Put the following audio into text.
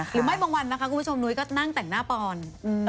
หรือไม่วางวันนะคะคุณผู้ชมหนุ๊ยก็นั่งแต่งหน้าปอนด์